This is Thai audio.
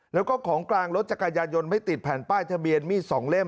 แล้วก็ของกลางรถจักรยานยนต์ไม่ติดแผ่นป้ายทะเบียนมีด๒เล่ม